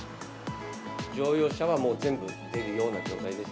乗用車は全部出るような状態です。